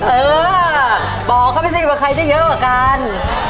เออบอกเขาไปสิใครจะเยอะกว่ากัน